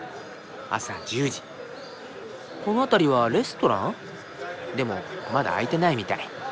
この辺りはレストラン？でもまだ開いてないみたい。